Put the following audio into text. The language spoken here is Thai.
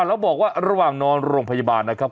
แล้วบอกว่าระหว่างนอนโรงพยาบาลนะครับ